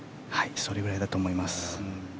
それくらいだと思います。